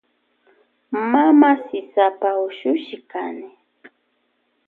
Mama sisapa ushushi kani.